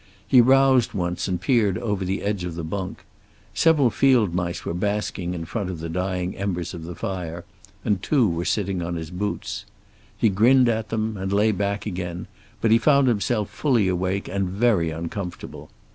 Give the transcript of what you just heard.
He roused once and peered over the edge of the bunk. Several field mice were basking in front of the dying embers of the fire, and two were sitting on his boots. He grinned at them and lay back again, but he found himself fully awake and very uncomfortable.